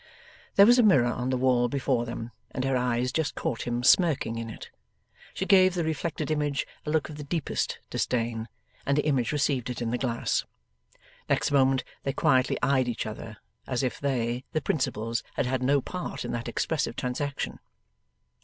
There was a mirror on the wall before them, and her eyes just caught him smirking in it. She gave the reflected image a look of the deepest disdain, and the image received it in the glass. Next moment they quietly eyed each other, as if they, the principals, had had no part in that expressive transaction.